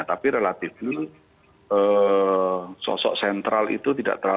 tapi relatifly sosok sentral itu tidak terlalu